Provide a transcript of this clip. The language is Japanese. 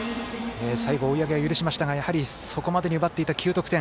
最後、追い上げは許しましたがやはり、そこまでに奪っていた９得点。